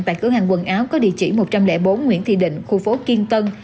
tại cửa hàng quần áo có địa chỉ một trăm linh bốn nguyễn thị định khu phố kiên tân